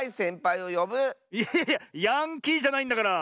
いやいやいやヤンキーじゃないんだから！